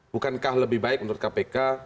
bukankah lebih baik menurut kpk